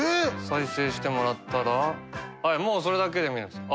再生してもらったらもうそれだけで見れます。